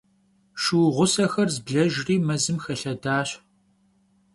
Şşu ğusexer zblejjri mezım xelhedaş.